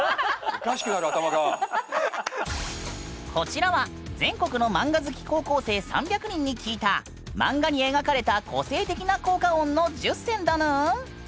こちらは全国のマンガ好き高校生３００人に聞いたマンガに描かれた個性的な効果音の１０選だぬん。